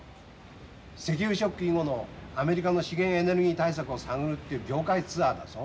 石油ショック後のアメリカの資源エネルギー対策を探るっていう業界ツアーだぞ。